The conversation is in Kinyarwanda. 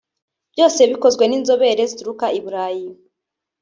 byose bikozwe n’izi nzobere zituruka i Burayi